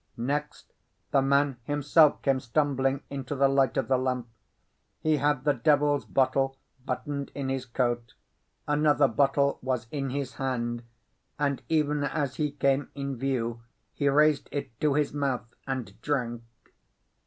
Next, the man himself came stumbling into the light of the lamp. He had the devil's bottle buttoned in his coat; another bottle was in his hand; and even as he came in view he raised it to his mouth and drank.